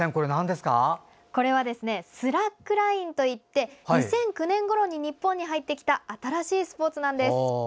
これはスラックラインといって２００９年ごろに日本に入ってきた新しいスポーツです。